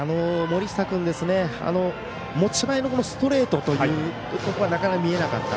森下君持ち前のストレートがなかなか見えなかった。